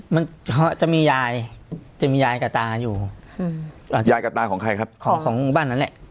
มันจะมียายจะมียายกับตาอยู่อืมอ่ายายกับตาของใครครับของของบ้านนั้นแหละ